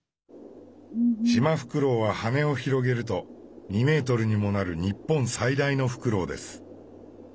シマフクロウは羽を広げると２メートルにもなる日本最大のフクロウです。